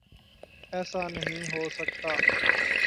ایسا نہیں ہو سکا ہے۔